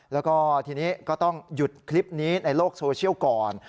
แล้วก็ทีนี้ก็ต้องหยุดคลิปนี้ในโลกโซเชียลก่อน